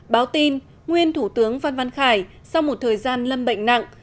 báo tin nguyên thủ tướng phan văn khải sau một thời gian lâm bệnh nặng